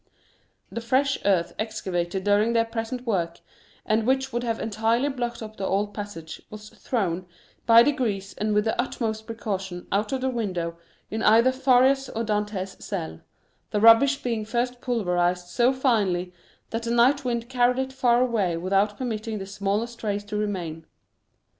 The fresh earth excavated during their present work, and which would have entirely blocked up the old passage, was thrown, by degrees and with the utmost precaution, out of the window in either Faria's or Dantès' cell, the rubbish being first pulverized so finely that the night wind carried it far away without permitting the smallest trace to remain.